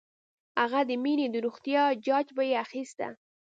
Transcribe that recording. هغه د مينې د روغتيا جاج به یې اخيسته